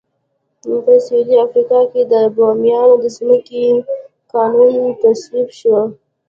په سوېلي افریقا کې د بومیانو د ځمکو قانون تصویب شو.